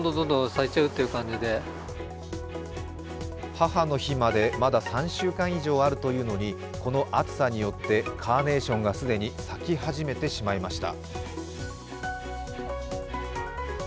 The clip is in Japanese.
母の日までまだ３週間以上あるというのに、この暑さによってカーネーションが既に咲き始めてしまいました。